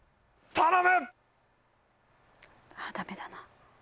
ダメだな。